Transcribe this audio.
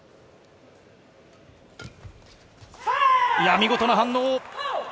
見事な反応。